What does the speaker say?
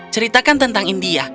ceritakan tentang india